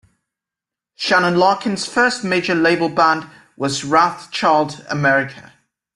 Shannon Larkin's first major label band was Wrathchild America.